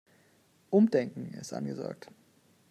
Umdenken ist angesagt.